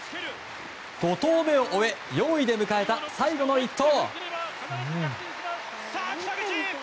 ５投目を終え４位で迎えた最後の１投。